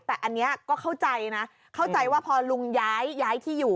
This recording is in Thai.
แต่อันนี้ก็เข้าใจนะเข้าใจว่าพอลุงย้ายที่อยู่